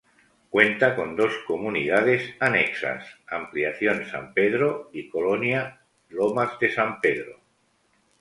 Cuenta con dos comunidades anexas: Ampliación San Pedro y Colonia lomas de San Pedro.